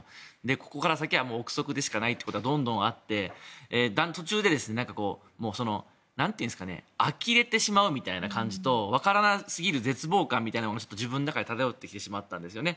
ここから先は憶測でしかないということがどんどんあって途中であきれてしまうみたいな感じと分からなすぎる絶望感が自分の中で漂ってきてしまったんですよね。